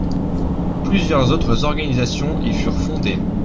Plusieurs autres organisations y furent fondées.